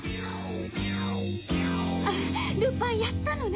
あぁルパンやったのね！